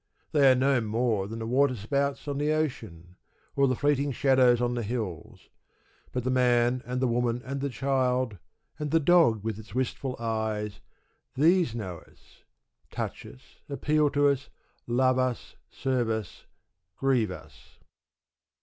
They are no more than the waterspouts on the ocean, or the fleeting shadows on the hills. But the man, and the woman, and the child, and the dog with its wistful eyes; these know us, touch us, appeal to us, love us, serve us, grieve us.